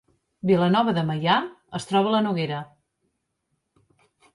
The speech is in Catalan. Vilanova de Meià es troba a la Noguera